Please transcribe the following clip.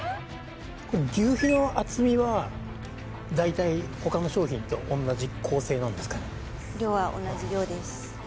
これ求肥の厚みは大体他の商品と同じ構成なんですか？